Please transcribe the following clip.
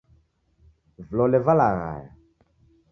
Vilole valaghaya.